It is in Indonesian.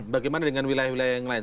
bagaimana dengan wilayah wilayah yang lain